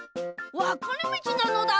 わかれみちなのだ。